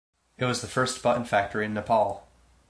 It was the first button factory in Nepal.